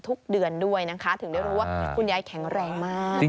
ทุกเดือนด้วยนะคะถึงได้รู้ว่าคุณยายแข็งแรงมาก